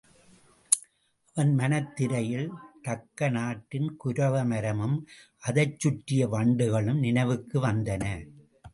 அவன் மனத் திரையில் தக்கநாட்டின் குரவ மரமும் அதைச் சுற்றிய வண்டுகளும் நினைவுக்கு வந்தன.